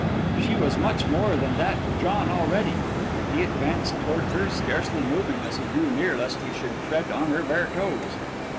She was much more than that to John already. He advanced toward her, scarcely moving as he drew near lest he should tread on her bare toes.